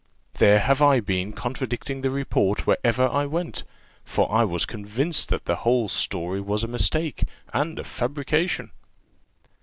There have I been contradicting the report, wherever I went; for I was convinced that the whole story was a mistake, and a fabrication."